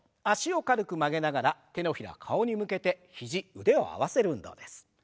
脚を軽く曲げながら手のひらを顔に向けて肘腕を合わせる運動です。